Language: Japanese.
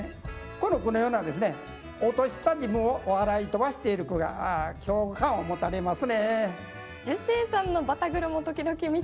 この句のようなですね落とした自分を笑い飛ばしている句が共感を持たれますね。